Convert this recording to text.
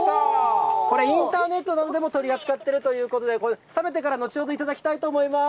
これ、インターネットなどでも取り扱っているということで、冷めてから後ほど頂きたいと思います。